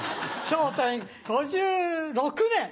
『笑点』５６年。